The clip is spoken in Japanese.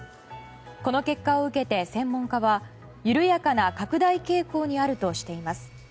この結果を受けて専門家は緩やかな拡大傾向にあるとしています。